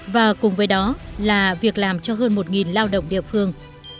và cùng với đó là việc làm cho hơn một lao động địa phương